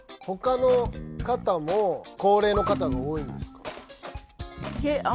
ほかの方も高齢の方が多いんですか？